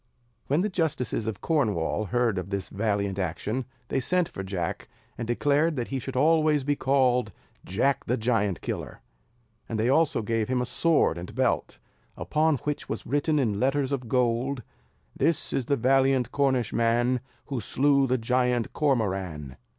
When the justices of Cornwall heard of this valiant action, they sent for Jack, and declared that he should always be called Jack the Giant Killer; and they also gave him a sword and belt, upon which was written in letters of gold: "This is the valiant Cornishman Who slew the Giant Cormoran."